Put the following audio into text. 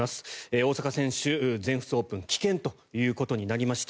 大坂選手、全仏オープン棄権ということになりました。